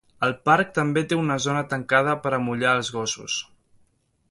El parc també té una zona tancada per amollar els gossos.